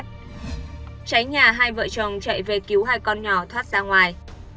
cháy nhà hai vợ chồng chạy về cứu hai con nhỏ thoát ra ngoài